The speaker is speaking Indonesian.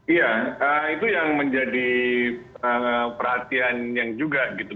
iya itu yang menjadi perhatian yang juga gitu